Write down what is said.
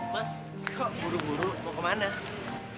mas kok buru buru mau kemana